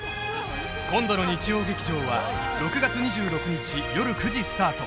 今度の日曜劇場は６月２６日夜９時スタート